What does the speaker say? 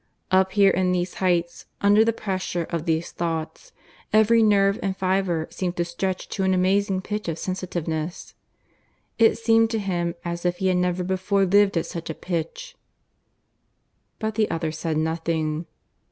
Up here in these heights, under the pressure of these thoughts, every nerve and fibre seemed stretched to an amazing pitch of sensitiveness. It seemed to him as if he had never before lived at such a pitch. But the other said nothing.